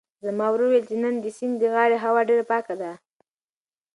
زما ورور وویل چې نن د سیند د غاړې هوا ډېره پاکه ده.